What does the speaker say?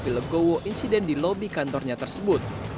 di legowo insiden di lobi kantornya tersebut